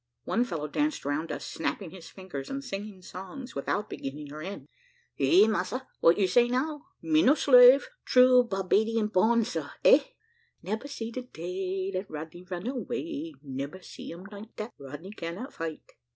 One fellow danced round us snapping his fingers and singing songs without beginning or end. "Eh, massa, what you say now? Me no slave true Barbadian born, sir, Eh! "Nebba see de day Dat Rodney run away, Nebba see um night Dat Rodney cannot fight.